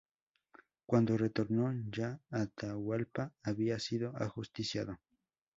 Cuando retornó ya Atahualpa había sido ajusticiado.